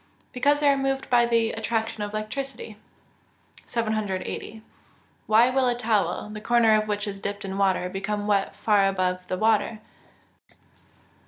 _ Because they are moved by the attraction of electricity. 780. _Why will a towel, the corner of which is dipped in water, become wet far above the water?